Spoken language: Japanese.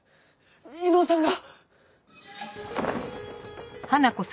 伊能さんが！